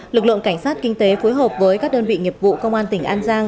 lực lượng cảnh sát kinh tế phối hợp với các đơn vị nghiệp vụ công an tỉnh an giang